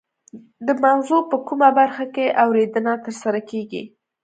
د مغزو په کومه برخه کې اوریدنه ترسره کیږي